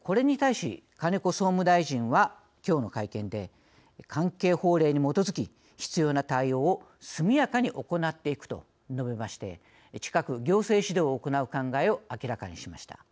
これに対し金子総務大臣は今日の会見で「関係法令に基づき必要な対応を速やかに行っていく」と述べまして近く、行政指導を行う考えを明らかにしました。